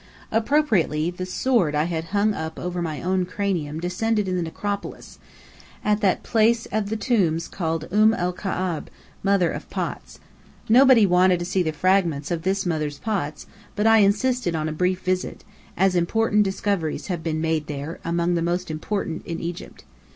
Appropriately, the sword I had hung up over my own cranium descended in the Necropolis, at that place of tombs called Umm el Ka'ab, "Mother of Pots." Nobody wanted to see the fragments of this mother's pots, but I insisted on a brief visit, as important discoveries have been made there, among the most important in Egypt.